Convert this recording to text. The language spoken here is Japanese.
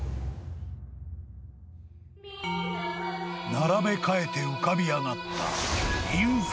［並べ替えて浮かび上がった］